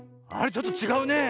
ちょっとちがうねえ。